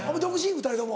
２人とも。